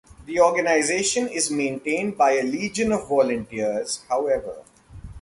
The organization is maintained by a legion of volunteers, however.